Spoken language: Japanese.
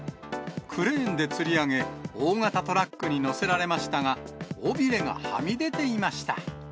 クレーンでつり上げ、大型トラックに乗せられましたが、尾びれがはみ出ていました。